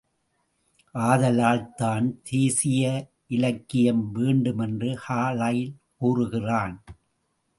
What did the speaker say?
ஆதலால் தான் தேசீய இலக்கியம் வேண்டுமென்று கார்லைல் கூறுகிறான்.